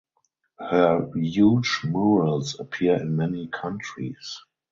Her huge murals appear in many countries.